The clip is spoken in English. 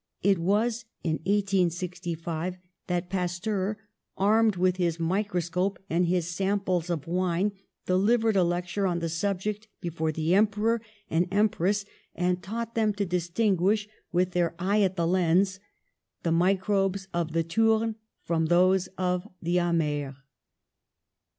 It was in 1865 that Pasteur, armed with his microscope and his samples of wine, delivered a lecture on the subject before the emperor and empress, and taught them to distinguish, with their eye 82 PASTEUR at the lense, the microbes of the tourne from those of the amer.